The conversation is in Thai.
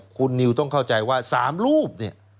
คุณนิวต้องเข้าใจว่า๓รูป